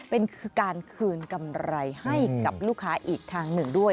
เป็นการคืนกำไรให้กับลูกค้าอีกทางหนึ่งด้วย